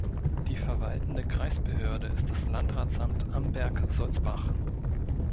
Die verwaltende Kreisbehörde ist das Landratsamt Amberg-Sulzbach.